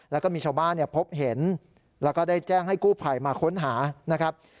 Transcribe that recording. แล้วก็มีชาวบ้านพบเห็นแล้วก็ได้แจ้งให้กู้ภัยมาค้นหานะครับ